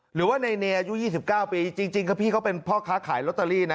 หรือว่าในในอายุหญิงเยี่ยวจีบเก้าปีจริงจริงค่ะพี่เขาเป็นพ่อค้าขายลอตเตอรี่นะ